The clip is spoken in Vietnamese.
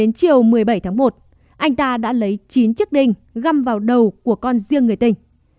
trong chiều một mươi bảy tháng một anh ta đã lấy chín chức đinh găm vào đầu của con riêng người tình